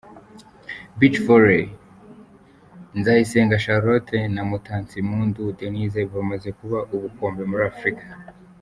Beach Volley: Nzayisenga Charlotte na Mutatsimpundu Denise bamaze kuba ubukombe muri Afurika.